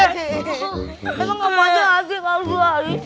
kamu ngomongin ah si kau suara ini